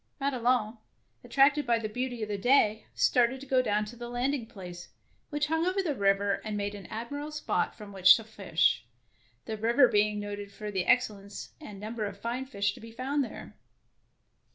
Madelon, attracted by the beauty of the day, started to go down to the landing place, which hung over the river and made an admirable spot from which to fish, the river being noted for the ex cellence and number of fine fish to be found there.